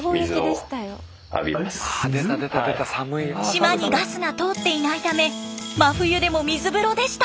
島にガスが通っていないため真冬でも水風呂でした。